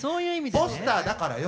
ポスターだからよ！